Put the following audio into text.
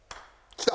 きた！